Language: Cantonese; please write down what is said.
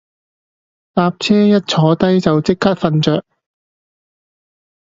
搭車一坐低就即刻瞓着